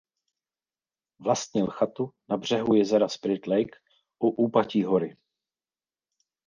Vlastnil chatu na břehu jezera Spirit lake u úpatí hory.